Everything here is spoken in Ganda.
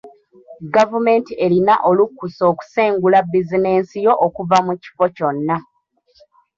Gavumenti erina olukusa okusengula bizinensi yo okuva mu kifo kyonna.